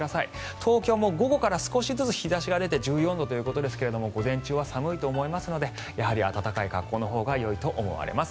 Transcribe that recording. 東京も午後から少しずつ日差しが出て１４度ということですが午前中は寒いと思いますので暖かい格好のほうがよいと思われます。